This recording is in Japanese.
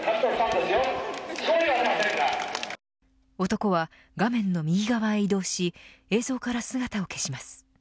男は画面の右側へ移動し映像から姿を消します。